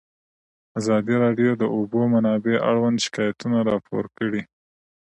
ازادي راډیو د د اوبو منابع اړوند شکایتونه راپور کړي.